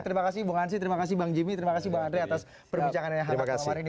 terima kasih bung hansi terima kasih bang jimmy terima kasih bang andre atas perbincangannya hari ini